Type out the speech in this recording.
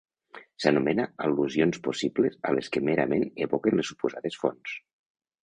S'anomena al·lusions possibles a les que merament evoquen les suposades fonts.